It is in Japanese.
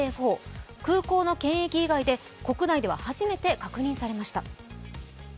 空港の検疫以外で国内では初めて確認されました。